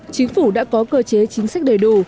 chính phủ đã có cơ chế chính sách đầy đủ